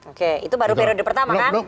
oke itu baru periode pertama kan